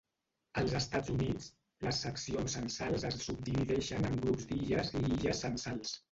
Als Estats Units, les seccions censals es subdivideixen en grups d'illes i illes censals.